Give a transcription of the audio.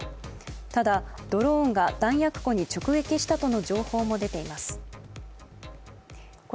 ただドローンが弾薬庫に直撃したとの情報も出ています。